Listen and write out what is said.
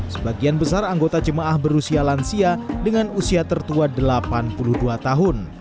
sebagian besar anggota jemaah berusia lansia dengan usia tertua delapan puluh dua tahun